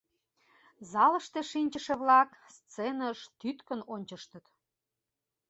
Залыште шинчыше-влак сценыш тӱткын ончыштыт.